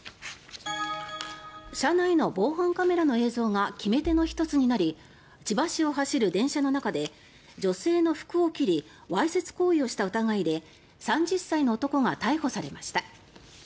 車内の防犯カメラの映像が決め手の１つになり千葉市を走る電車の中で女性の服を切りわいせつ行為をした疑いで３０歳の男が逮捕されました。